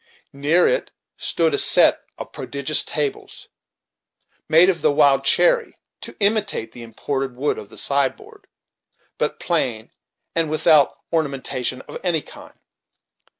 Near it stood a set of prodigious tables, made of the wild cherry, to imitate the imported wood of the sideboard, but plain and without ornament of any kind.